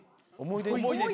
思い出に。